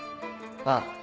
ああ。